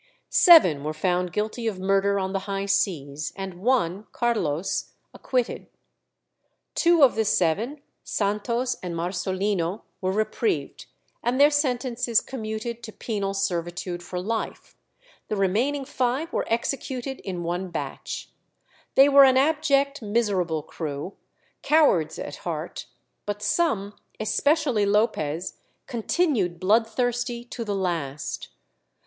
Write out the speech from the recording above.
Seven were found guilty of murder on the high seas, and one, Carlos, acquitted. Two of the seven, Santos and Marsolino, were reprieved, and their sentences commuted to penal servitude for life; the remaining five were executed in one batch. They were an abject, miserable crew, cowards at heart; but some, especially Lopez, continued bloodthirsty to the last.